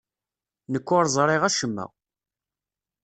Nekk ur ẓriɣ acemma.